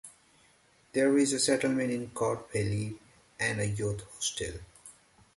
There is a settlement in Cot Valley and a Youth Hostel.